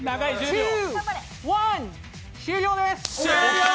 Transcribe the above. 終了です。